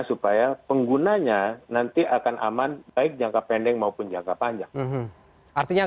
supaya penggunanya nanti akan aman baik jangka pendek maupun jangka panjang artinya